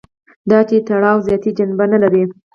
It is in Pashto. دا چې تړاو ذاتي جنبه نه لري.